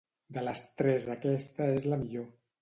De les tres aquesta és la millor.